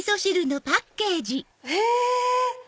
へぇ！